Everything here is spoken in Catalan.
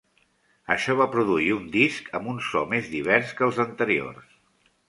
Això va produir un disc amb un so més divers que els anteriors.